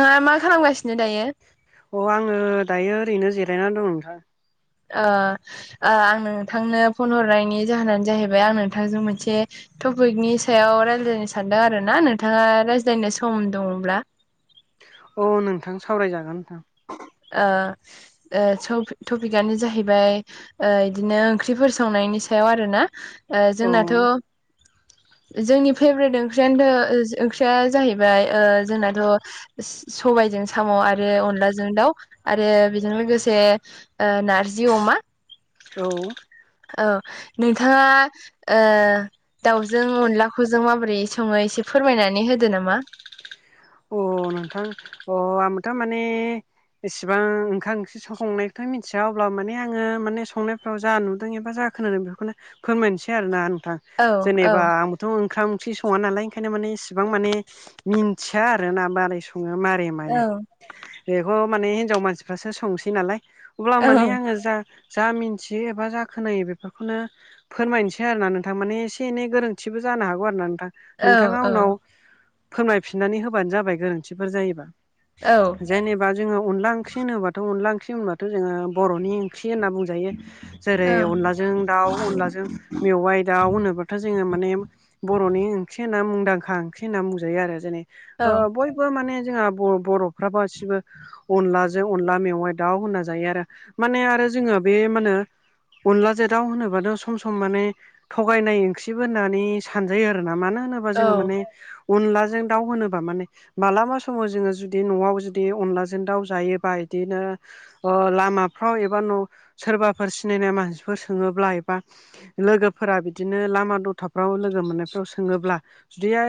ओ मा खालामगासिनो दायो? अ आङो दायो ओरैनो जिरायना दं नोंथां। अ ओ आं नोंथांनो फन हरनायनि जाहोनानो जाहैबाय आं नोंथांजों मोनसे टपिकनि सायाव रायज्लायनो सानदों आरो ना नोंथाङा रायज्लायनो सम दङब्ला। अ नोंथां सावरायजागोन नोंथां। ओ टपिकआनो जाहैबाय ओ इदिनो ओंख्रिफोर संनायनि सायाव आरोना ओ जोंनाथ' औ जोंनि फेभ्रेट ओंख्रियानथ ओंख्रिया जाहैबाय जोंनाथ' सबायजों साम' आरो अनलाजों जों दाउ आरो बेजों लोगोसे ओ नारजि अमा औ। औ नोंथाङा ओ दावजों अनलाखौ जों माबोरै सङो एसे फोरमायनानै होदो नामा। अ नोंथां अ आं थार माने इसिबां ओंखाम ओंख्रि संनायथ' मिथिया अब्ला माने आङो माने संनाय जा नुदों एबा जाखोनादों बेखौनो फोरमायनोसै आरोना नोंथां। औ औ जेनेबा आंबोथ' ओंखाम ओंख्रि सङा नालाय ओंखायनो माने इसिबां माने मिन थिया आरोना मारै सङो मारै औ मायो। बेखौ माने हिनजाव मानसिफ्रासो संसै नालाय अब्ला औ माने आङो जा जा मिथियो एबा जा खोनायो बेफोरखौनो फोरमायनोसै आरो ना नोंथां माने एसे एनै गोरोन्थिबो जानो हागौ आरो ना नोंथां। औ नोंथाङा औ उनाव फोरमायफिननानै होबानो जाबाय गोरोन्थिफोर जायोबा। औ। जेनेबा जों अनदला ओंख्रि होनोबाथ' अनला ओंख्रि होनबाथ' जोङो बर'नि ओंख्रि होनना बुंजायो जेरै अनलाजों दाउ, अनलाजों मेवाइ दाउ होनोब्लााथ' जोङो माने बर'नि ओंख्रि होनना मुंदांखा ओंख्रि होनना बुंजायो आरो जेनै औ ओ बयबो माने जोंहा बर'फ्रा गासिबो अनलाजों अनला मेवाइ दाउ होनना जायो आरो माने आरो जोङो बे मा होनो अनलाजों दाव होनोबाद सम सम माने थगायनाय ओंख्रिबो होननानै सानजायो आरोना मानो होनोबा औ जोङो माने अनलाजों दाव होनोबा माने मालाबा समाव जोङो जुदि न'आव जुदि अनलाजों दाउ जायोबा इदिनो ओ लामाफ्राव एबा न' सोरबाफोर सिनायनाय मानसिफोर सोङोब्ला एबा लोगोफोरा बिदिनो लामा दथाफ्राव लोगो मोननायफ्राव सोङोब्ला जुदिया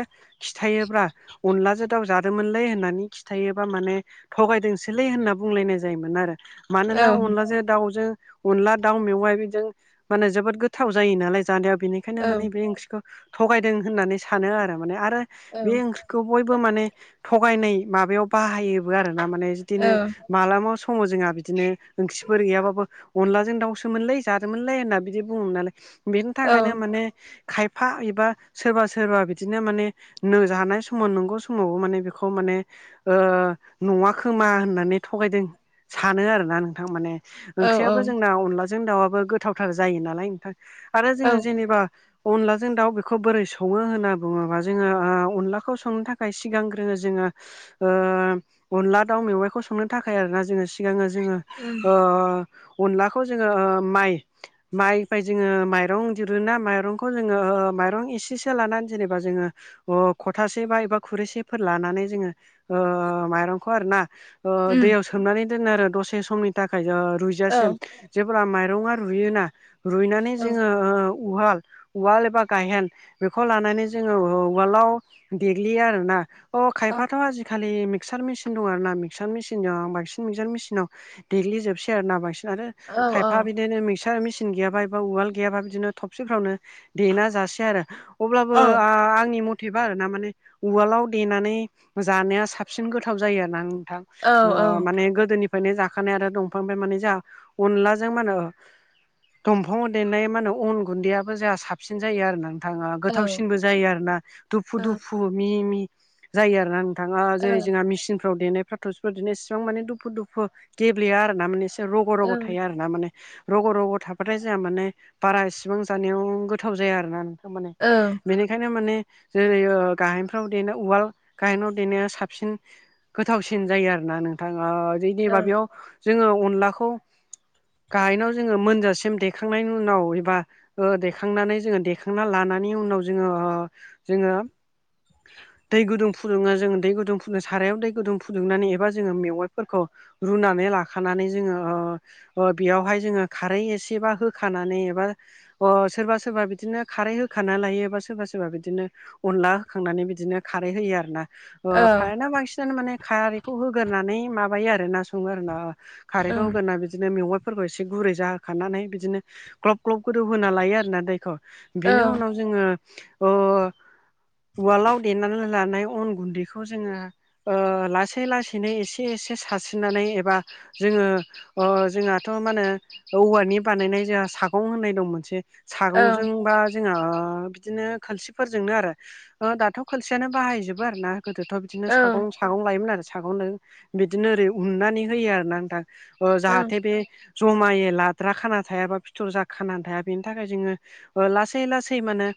खिथायोबा अनलाजों दाव जादोंमोनलै होननानै खिथायोबा माने थगायदोंसोलै होनना बुंलायनाय जायोमोन आरो मानोना अनलाजो दाउजों अनला दाउ मेवाइ बेजों माने जोबोद गोथाव जायो नालाय जानायाव बेनिखायनो माने बे ओंख्रिखौ थगायदों होननानै सानो आरो माने आरो बे ओंख्रि खौ बयबो माने थगायनाय माबायाव बाहायोबो आरोना माने बिदिनो मालाबा समाव जोंहा बिदिनो ओंख्रिफोर गैयाबाबो अनलाजों दाउसोमोनलै जानोमोनलै होनना बिदि बुङोमोन नालाय बेनि थाखायनो माने खायफा एबा सोरबा सोरबा बिदिनो माने नो जानाय सम समाव नंगौ समावबो माने बेखौ माने ओ नङा खोमा होननानै थगायदों सानो आरोना नोंथां माने औ ओंख्रियाबो जोंना अनलाजों दाउआबो गोथावथार जायो नालाय नोंथां आरो औ जोङो जेनेबा अनलाजों दाउ बेखौ बोरै सङो होनना बुङोबा जोङो ओ अनला खौ संनो थाखाय सिगांग्रोङो जोङो ओ अनला दाउ मेवाइखौ संनो थाखाय आरोना जोङो सिगाङो जोङो उम ओ अनलाखौ जोङो ओ माइ माइफाय जोङो माइरं दिरुनो माइरंखौ जोङो माइरं एसेसो लानानै जेनेबा जोङो [unintelligible] खथासे बा एबा खुरैसेफोर लानानै जोङो ओ माइरंखौ आरोना ओ उम दैयाव सो मनानै दोनो आरो दसे समनि थाखाय रुइजासिम औ जेब्ला माइरङा रुयोना रुइनानै औ जोङो ओ उहाल उवाल एबा गायेन बेखौ लानानै जोङो उवालाव देग्लियो आरोना अ औ खायफाथ' आजिखालि मिक्सार मेसिन दं आरो ना मिक्सार मेसिनजों आं बांसिन मिक्सार मेसिनाव देग्लिजोबसै आरोना बांसिन आरो औ खायफा बिदिनो मिक्सार मेसिन गैयाबा एबा उवाल गैयाबा बिदिनो थबसिफ्रावनो देना जासै आरो अब्लाबो औ आंनि मथेबा आरो ना माने उवालाव देनानै जानाया साबसिन गोथाव जायो आरोना नोंथां औ औ ओ माने गोदोनि माने जाखानाय आरो दंफांनिफ्राय माने जोंहा अनलाजों मा होनो दंफाङाव देनाय मा होनो अन गुन्दैयाबो जोंहा साबसिन जायो आरोना नोथां ओ गोथावसिनबो जायो आरो ना दुफु औ औ दुफु मिहि मिहि जायो आरोना नों थां ओ जेरै औ जोंहा मिसिनफ्राव देनायफ्राथ' एफोरबायदिनो इसेबां माने दुफु दुफु गेब्लेया आरो ना माने रग' रग' थायो आरोना माने रग' रग' थाबाथाय जोंहा माने बारा इसेबां जानायाव गोथाव जाया आरोना माने औ बेनिखायनो माने जेरै ओ गाहेनफ्राव देनाय उवाल गाहेनाव देनाया साबसिन गोथावसिन जायो आरोना नोंथां ओ रिदि माबायाव जोङो अनलाखौ गाहेनायाव जोङो मोनजासिम देखांनायनि उनाव एबा ओ देखांनानै जोङो देखांना लानानै उनाव जोङो ओ जोङो दै गुदुं फुदुङो जोङो दै गुदुं फुदुंनो सारायाव दै गुदुं फुदुंनानै एबा जोङो मेवाइफोरखौ रुनानै लाखानानै जोङो ओ ओ बेयावहाय जोङो खारै एसेबा होखानानै एबा अ सोरबा सोरबा बिदिनो खारै होखाना लायो बा सोरबा सोरबा बिदिनो अनला होखांनानै बिदिनो खारै होयो आरोना ओ फ्रायानो बांसिनानो माने खारैखौ होगोरनानै माबायो आरोना सङो आरोना ओ खारैखौ होगोरना बिदिनो मेवाइ फोरखौ इसे गुरै जाहोखानानै बिदिनो ग्लब ग्लब गोदौहोना लायो आरोना दैखौ बिनि उनाव जोङो ओ उवालाव देनानै लानाय अन गुन्दैखौ जोङो ओ लासै -लासैनो एसे -एसे सारस्रिनानै एबा जोङो ओ जोंहाथ' मा होनो औवानि बानायनाय जोंहा सागं होननाय दं मोनसे सागंजों बा जोंहा बिदिनो खोनसिब - -फोरजोंनो आरो ओ दाथ' खोलसियानो बाहायजोबो आरोना गोदोथ' बिदिनो सागं सागं लायोमोन आरो सागंनो बिदिनो ओरै उन्नानै होयो आरो न आं दा जाहाथे बे जमायै लाद्रा खाना थायाबा फिथर जा खानानै थाया बेनि थाखाय जोङो अ लासै लासै माने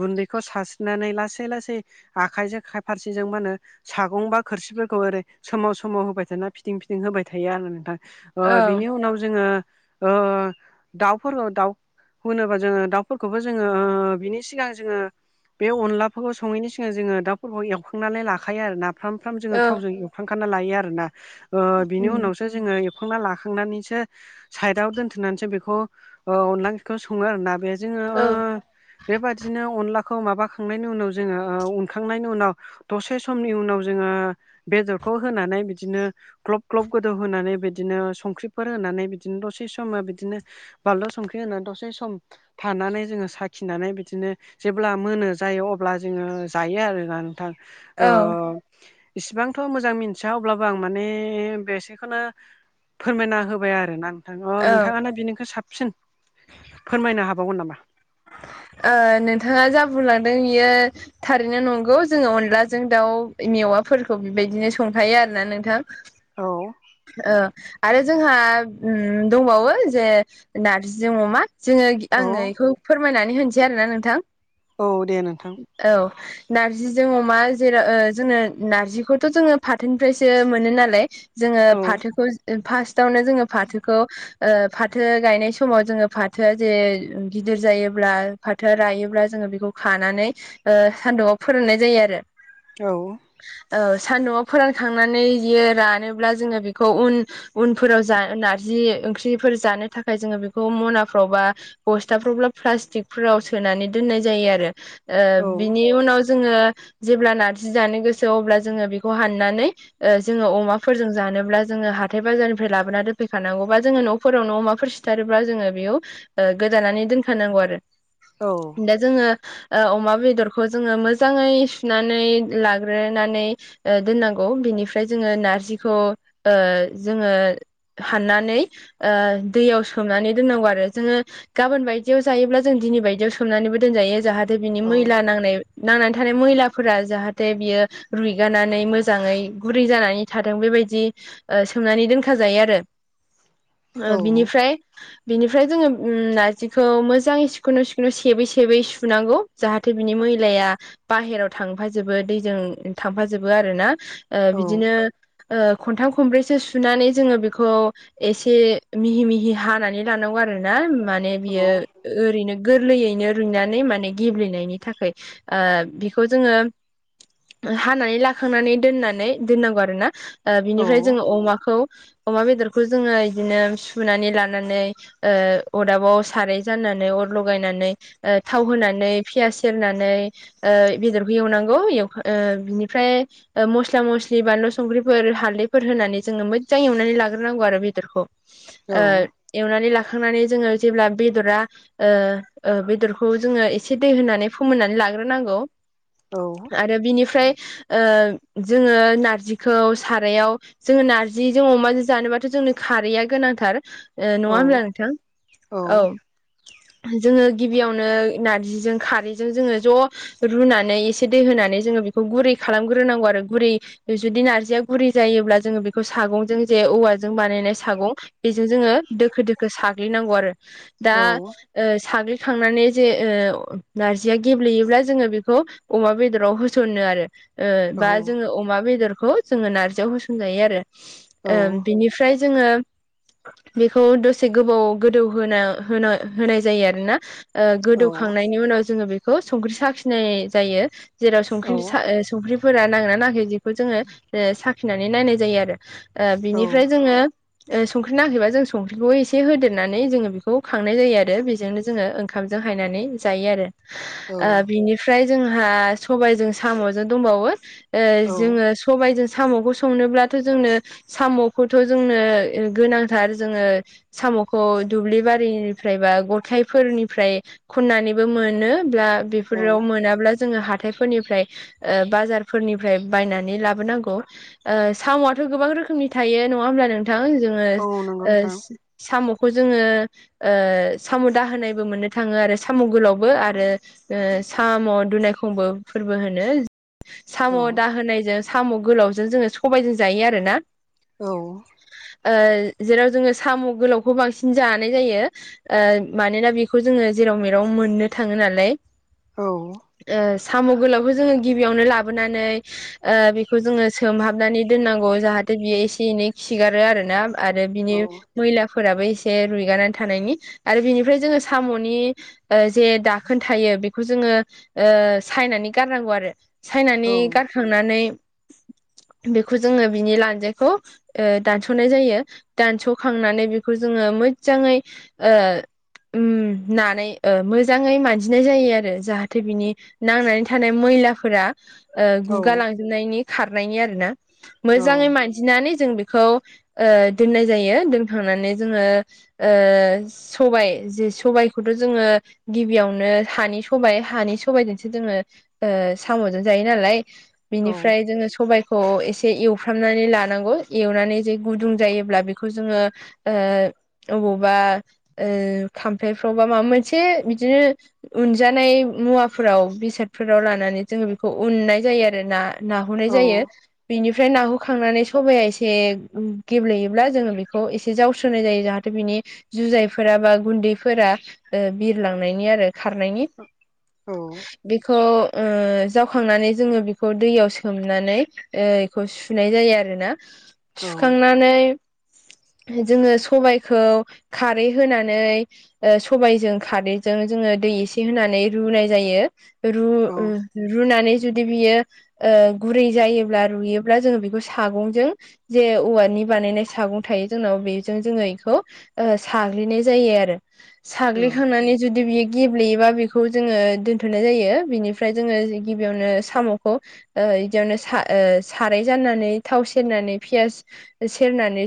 गुन्दै -खौ सारस्रिनानै लासै लासै आखाइजों खाय-फारसेजों मा होनो सागं बा खोरसिफोरखौ ओरै सोमाव सोमाव होबाय थाना फिदिं फिदिं होबाय थायो आंओ। नोंथां ओ बिनि उनाव जोङो ओ दाउफोरखौ दाउ होनोबा जोङो दाउफोरखौबो जोङो ओ बिनि सिगां जोङो बे अनलाफोरखौ सङैनि सिगां जोङो दाउफोरखौ एवखांनानै लाखायो आरो ना फ्राम-फ्राम जोङो थावजों एल -खांखाना लायो आरोना ओ बिनि उनावसो जोङो एवखांना लाखांनानैसो साइदाव दोनथ'नानैसो बेखौ ओ अनदला ओंख्रिखौ सङो आरोना बे जोङो औ ओ बेबायदिनो अनलाखौ माबाखांनायनि उनाव जोङो ओ उनखांनायनि उनाव दसे समनि उनाव जोङो बेदरखौ होनानै बिदिनो ग्लब-ग्लब गोदौ होनानै बिदिनो संख्रिफोर होनानै बिदिनो दसे समाव बिदिनो बानलु संख्रि होनानै दसे सम थानानै जोङो साखिनानै बिदिनो जेब्ला मोनो जायो अब्ला जोङो जायो आरोना नोंथां ओ औ इसिबांथ' मोजां मिथिया अब्लाबो आं माने बेसेखौनो फोरमायना होबाय आरो ना नोंथां ओ औ नोंथाङानो बिनिख्रुइ साबसिन फोरमायनो हाबावगोन नामा? ओ नोंथाङा जा बुंलांदों इयो थारैनो नंगौ जोङो अनलाजों दाउ मेवाफोरखौ बेबायदिनो संखायो आरोना नोंथां। औ। ओ आरो जोंहा दंबावो जे नारजिजों अमा। जोङो आङो बेखौ फोरमायनानै होनसै आरोोना नोंथां। औ दे नोंथां। औ। नार्जिजों अमा जेराव जोङो नार्जिखौथ' जोङो फाथोनिफ्रायसो मोनो नालाय जोङो औ फाथोखौ फास्टिवनो जोङो फाथोखौ ओ फाथो गायनाय समाव जोङो फाथोआ जे गिदिर जायोब्ला फाथोआ रायोब्ला जोङो बेखौ खानानै सान्दुंआव फोराननाय जायो आरो। औ। ओ सान्दुंआव फोरानखांनानै इयो रानोब्ला जोङो बेखौ उन उनफोराव जा नारजि ओंख्रिफोर जानो थाखाय जोङो बेखौ मनाफ्राव बा बस्थाफ्रावब्ला प्लास्टिकफोराव सोनानै दोननाय जायो आरो ओ औ बिनि उनाव जोङो जेब्ला नारजि जानो गोसो अब्ला जोङो बेखौ हाननानै ओ जोङो अमाखौ -फोरजों जानोब्ला जोङो हाथाय बाजारनिफ्राय लाबोनानै दोनफैखानांगौ बा जोङो न'फोराव न' अमाफोर सिथारोब्ला जोङो बेयाव ओ गोदानानै दोनफैनांगौ आरो औ दा जोङो ओ अमा बेदरखौ जोङो मोजाङै सुनानै लाग्रोनानै ओ दोननांगौ बिनिफ्राय जोङो नारजिखौ ओ जोङो हाननानै ओ दैयाव सोमनानै दोननांगौ आरो जोङो गाबोन बायदियाव जायोब्ला जों दिनै बायदियाव सोमनानैबो दोनजायो जाहाथे बिनि औ मैला नांनाय नांनानै थानाय मैलाफोरा जाहाथे बियो रुइगानानै मोजाङै गुरै जानानै था बेबायदि ओ सोमनानै दोनखाजायो आरो औ बिनिफ्राय बिनिफ्राय जोङो ओम नार्जिखौ मोजाङै सिखुनु सिखुनु' सेबै सेबै सुनांगौ। जाहाथे बिनि मैलाया बाहेराव थांफाजोबो दैजों थांफाजोबो आरो ना। ओ औ बिदिनो ओ खन्थाम खनब्रैसो सुनानै जोङो बेखौ एसे मिहि मिहि हानानै लानांगौ आरो ना। माने बियो ओरैनो गोरलैयैनो [unintelligible] माने गेब्लेनायनि थाखाय ओ बेखौ जोङो हानानै लाखांनानै दोननानै दोननांगौ आरो ना। ओ औ बिनिफ्राय जोङो अमाखौ अमा बेदरखौ जोङो बिदिनो सुनानै लानानै ओ अरदाबाव साराय जाननानै अर लगायनानै ओ थाव होनानै पियास सेरनानै ओ बेदरखौ एवनांगौ एवखा ओ बिनिफ्राय ओ मस्ला मस्लि बानलु संख्रिफोर हालदैफोर होनानै जोङो मोजां एवनानै लाग्रोनांगौ आरो बेदरखौ औ ओ एवनानै लाखांनानै जोङो जेब्ला बेदरा ओ ओ बेदरखौ जोङो एसे दै होनानै फोमोननानै लाग्रोनांगौ। आरो बिनिफ्राय ओ जोङो नारजि खौ सारायाव जोङो नार्जिजों अमाजों जानोबाथ' जोंनो खारैया गोनांथार। ओ नङा होनब्ला नोंथां औ। जोङो गिबियावनो नारजिजों खारैजों जोङो ज' रुनानै एसे दै होनानै जोङो बेखौ गुरै खालामग्रोनांगौ आरो गुरै जुदि नार्जिया गुरै जायोब्ला जोङो बेखौ सागंजों जे औवाजों बानायनाय सागं बेजों जोङो दोखो दोखो साग्लिनांगौ आरो दा ओ साग्लिखांनानै जे ओ नारजिया गेब्लेयोब्ला जोङो बेखौ अमा बेदराव होसनो आरो। ओ बा जोङो अमा बेदरखौ जोङो नारजियाव होसनजायो आरो ओ बिनि फ्राय जोङो बेखौ दसे गोबाव गोदौ होना होना होनाय जायो आरोना। ओ गोदौखांनायनि उनाव जोङो बेखौ संख्रि साखिनाय जायो। जेराव संख्रिनि सा ओ संख्रिफोरा नाङोना नाङाखै बिखौ जोङो ओ साखिनानै नायनाय जायो आरो। ओ बिनिफ्राय जोङो ओ संख्रि नाङाखैबा जों संख्रिखौ एसे होदेरनानै जोङो बेखौ खांनाय जायो आरो बेजोंनो जोङो ओं खामजों हायनानै जायो आरो। ओ बिनिफ्राय जोंहा सबायजों साम'जों दंबावो। ओ औ जोङो जों साम'खौ संनोब्लाथ' जोंनो साम'खौथ' जोंनो गोनांथार जोङो साम'खौ दुब्लि बारिनिफ्राय बा गथाइफोरनिफ्राय खन्नानैबो मोनो ब्ला औ बेफोराव मोनाब्ला जोङो हाथायफोरनिफ्राय ओ बाजारफोरनिफ्राय बायनानै ला बोनांगौ ओ साम'आथ' गोबां रोखोमनि थायो नङा होनब्ला नों थां जोङो औ नंगौ ओ नोंथां साम'खौ जोङो ओ साम' दाहोनायबो मोननो थाङो आरो साम' गोलावबो आरो ओ साम' दुनायखंबो फोरबो होनो। साम' औ दाहोनायजों साम' गोलावजों जोङो सबायजों जायो आरोना। औ ओ जेराव जोङो साम' गोलावखौ बांसिन जानाय जायो। ओ मानोना बेखौ जोङो जेराव मेराव मोननो थाङो नालाय। औ ओ साम' गोलावखौ जोङो गिबियावनो लाबोनानै ओ बे खौ जोङो सोमहाबनानै दोननांगौ जाहाथे बियो एसे एनै खिगारो आरोना आरो औ बिनि मैलाफोराबो एसे रुइगानानै थानायनि आरो बिनिफ्राय जोङो साम'नि ओ जे दाखोन थायो बेखौ जोङो ओ सायनानै गारनांगौ आरो। औ सायनानै गारखांनानै बेखौ जोङो बिनि लानजाइखौ ओ दानस'नाय जायो दानस'खांनानै बेखौ जोङो मोजाङै ओ ओम नानै ओ मोजाङै मानजिनाय जायो आरो जाहाथे बिनि नांनानै थानाय मैलाफोरा ओ औ गुगा लांजोबनायनि खारनायनि आरोना मोजाङै मानजिनानै जों बेखौ ओ दोननाय जायो दोनखांनानै जोंङो ओ सबाय जे सबायखौथ' जोंङो गिबियावनो हानि सबाय हानि सबायजोंसो जोंङो ओ साम'जों जायो नालाय बिनि जोंङो सबायखौ एसे एवफ्रामनानै लानांगौ एवनानै जे गुदुं जायोब्ला बेखौ जोंङो ओ अबावबा ओ खामफ्लायफ्रावबा माबा मोनसे बिदिनो उनजानाय मुवाफोराव बेसादफोराव लानानै जोंङो बेखौ उननाय जायो आरो ना। नाहुरनाय जायो। बिनिफ्राय नाहु खांनानै सबाया एसे गेब्लेयोब्ला जोंङो बेखौ एसे जावस्रोनाय जायो जाहाथे बिनि जुजायफोरा बा गुन्दैफोरा ओ बिरलांनायनि आरो खारनायनि। औ। बेखौ ओ जावखांनानै जोंङो बेखौ दैयाव सोमनानै ओ बेखौ सुनाय जायो आरोना सुखांनानै जोंङो सबायखौ खारै होनानै ओ सबाइजों खारैजों जोंङो दै एसे होनानै रुनाय जायो। रु औ रुनानै जुदि बियो ओ गुरै जायोब्ला रुयोब्ला जोंङो बेखौ सागंजों जे औवानि बानायनाय सागं थायो जोंनाव बेजों जोंङो बेखौ ओ साग्लिनाय जायो आरो। औ साग्लिखांनानै जुदि बेयो गेब्लेयोबा बेखौ जोंङो दोन्थ'नाय जायो बिनिफ्राय जोंङो गिबियावनो साम'खौ ओ बिदियावनो सा ओ साराय जाननानै थाव सेरनानै पियास सेरनानै